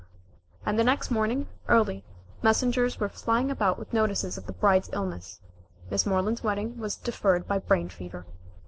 And the next morning, early, messengers were flying about with notices of the bride's illness. Miss Moreland's wedding was deferred by brain fever.